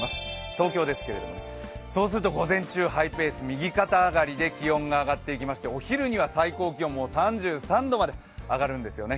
東京ですけれども、そうすると午前中、ハイペース右肩上がりで気温が上がっていきまして、お昼には最高気温３３度まで上がるんですよね。